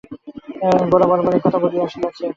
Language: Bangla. গোরা বরাবর এই কথা বলিয়া আসিয়াছে, আজও ইহাই তাহার বলিবার কথা।